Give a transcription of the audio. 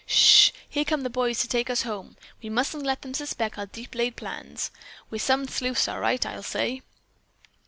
"Ssh! Here come the boys to take us home. We mustn't let them suspect our deep laid plans. We're some sleuths all right, I'll say."